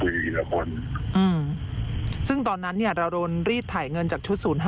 อืมซึ่งตอนนั้นเราโดนรีดไถ่เงินจากชุด๐๕